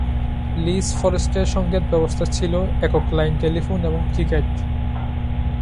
লিস ফরেস্টের সংকেত ব্যবস্থা ছিল একক লাইন টেলিফোন এবং টিকেট।